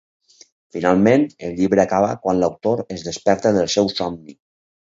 Finalment, el llibre acaba quan l'autor es desperta del seu somni.